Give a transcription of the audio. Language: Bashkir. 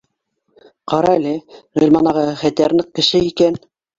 Ҡарәле, Ғилман ағаһы хәтәр ныҡ кеше икән